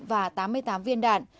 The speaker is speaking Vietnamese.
và tám mươi tám viên đạn